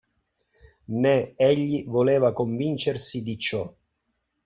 Ne egli voleva convincersi di ciò.